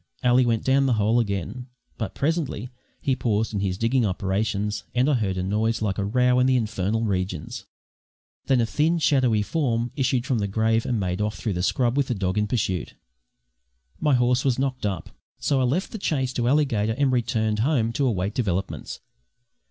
Ally went down the hole again, but presently he paused in his digging operations, and I heard a noise like a row in the infernal regions. Then a thin shadowy form issued from the grave and made off through the scrub with the dog in pursuit. My horse was knocked up, so I left the chase to Alligator and returned home to await developments.